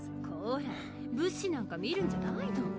コラ武士なんか見るんじゃないの。